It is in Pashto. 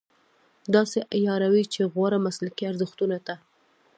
داسې عیاروي چې غوره مسلکي ارزښتونو ته.